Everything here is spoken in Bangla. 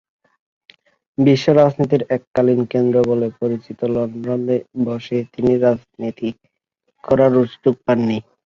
বিশ্বরাজনীতির এককালীন কেন্দ্র বলে পরিচিত লন্ডনে বসে তিনি রাজনীতি করারও সুযোগ পাননি।